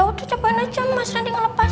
ya udah cobain aja mas nanti ngelepas